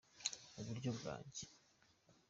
iburyo bwanjye.